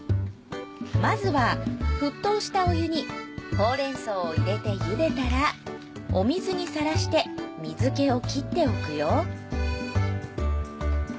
まずは沸騰したお湯にほうれん草を入れてゆでたらお水にさらして水気を切っておくよ